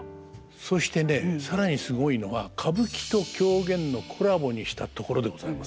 そしてね更にすごいのは歌舞伎と狂言のコラボにしたところでございます。